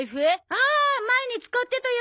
ああ前に使ってたやつ！